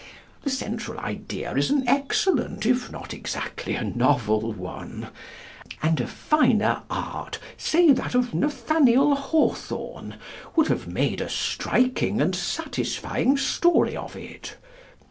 The central idea is an excellent, if not exactly a novel, one; and a finer art, say that of Nathaniel Hawthorne, would have made a striking and satisfying story of it.